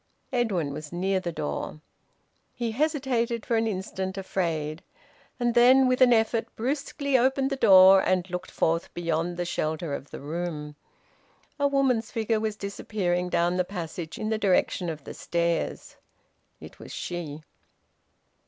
Edwin was near the door. He hesitated for an instant afraid, and then with an effort brusquely opened the door and looked forth beyond the shelter of the room. A woman's figure was disappearing down the passage in the direction of the stairs. It was she.